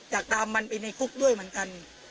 อยากตามมันไปในคุกด้วยเหมือนกัน